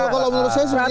kalau di prosesi